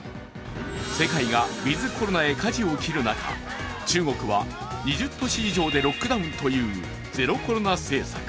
世界がウィズ・コロナへかじを切る中中国は２０都市以上でロックダウンというゼロコロナ政策。